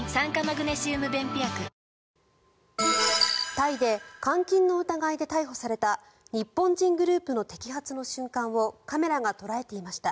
タイで監禁の疑いで逮捕された日本人グループの摘発の瞬間をカメラが捉えていました。